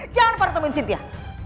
jangan pernah temuin cynthia